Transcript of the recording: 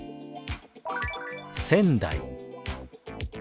「仙台」。